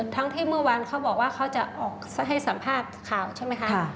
ทั้งที่เมื่อวานเขาบอกว่าเขาจะออกให้สัมภาษณ์ข่าวใช่ไหมคะ